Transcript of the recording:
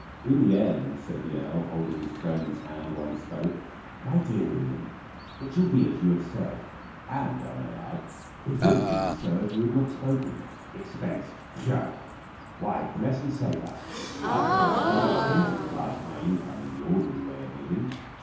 In the end, said the earl, holding his friend's hand while he spoke: "My dear William, it shall be as you have said; and, I may add, it would have been so if you had not spoken. Expense! Pshaw! Why bless and save us! I can't spend the twentieth part of my income in the ordinary way of living.